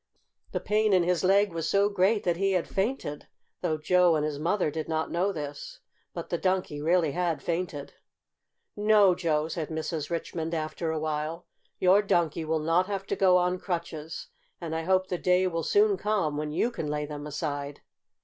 The pain in his leg was so great that he had fainted, though Joe and his mother did not know this. But the Donkey really had fainted. "No, Joe," said Mrs. Richmond, after a while, "your Donkey will not have to go on crutches, and I hope the day will soon come when you can lay them aside."